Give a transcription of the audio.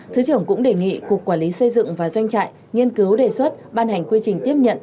thứ trưởng cũng đề nghị cục quản lý xây dựng và doanh trại nghiên cứu đề xuất ban hành quy trình tiếp nhận